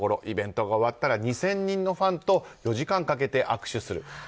イベントが終わったら２０００人のファンと４時間かけて握手する。